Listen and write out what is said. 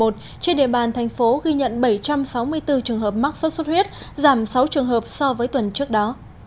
trên địa bàn thành phố ghi nhận bảy trăm sáu mươi bốn trường hợp mắc sốt xuất huyết giảm sáu trường hợp so với tuần trước đó